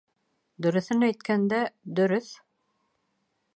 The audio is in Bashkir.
Дөрөҫөн әйткәндә, дөрөҫ!